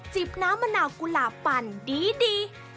บน้ำมะนาวกุหลาบปั่นดี